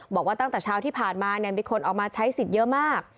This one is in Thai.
บอกว่าตั้งแต่เช้าที่ผ่านมามีคนออกมาใช้สิทธิ์เยอะมาก